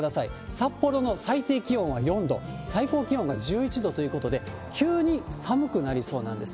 札幌の最低気温は４度、最高気温が１１度ということで、急に寒くなりそうなんです。